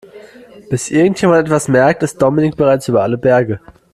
Bis irgendjemand etwas merkt, ist Dominik bereits über alle Berge.